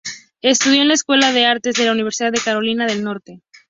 Estudió en la Escuela de Artes de la Universidad de Carolina del Norte.